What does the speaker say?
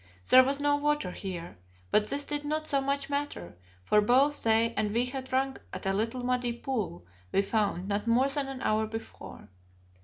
There was no water here; but this did not so much matter, for both they and we had drunk at a little muddy pool we found not more than an hour before.